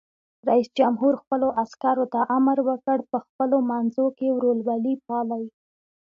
رئیس جمهور خپلو عسکرو ته امر وکړ؛ په خپلو منځو کې ورورولي پالئ!